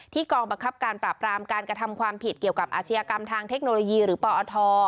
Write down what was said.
กองบังคับการปราบรามการกระทำความผิดเกี่ยวกับอาชญากรรมทางเทคโนโลยีหรือปอท